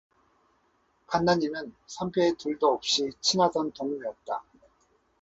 간난이는 선비의 둘도 없이 친하던 동무였다.